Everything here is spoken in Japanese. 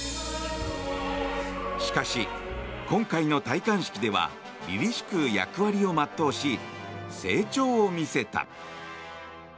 しかし、今回の戴冠式ではりりしく役割を全うし成長を見せた。